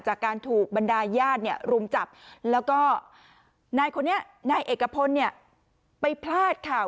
จากการถูกบรรดายญาติรุมจับแล้วก็นายเอกพลไปพลาดค่ะ